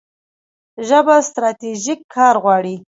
ژبه ستراتیژیک کار غواړي.